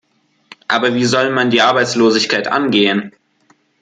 Aber wie soll man die Arbeitslosigkeit angehen?